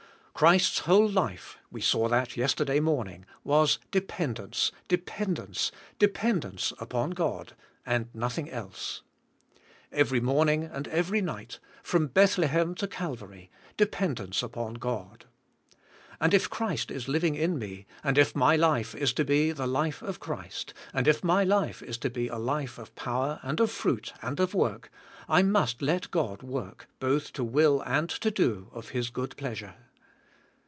Christ's whole life — we saw that yesterday morning — was dependence, dependence, dependence upon God and nothing else. Kvery morning and every night, from Bethlehem to Calvary, dependence upon God. And if Christ is living in me, and if my life is to be the life of Christ, and if my life is to be a life of power and of fruit and of work, I must let God work both to will and to do of His good plea sure.